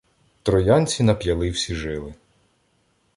Троянці нап'яли всі жили